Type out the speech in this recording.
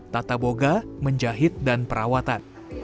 tata boga menjahit dan perawatan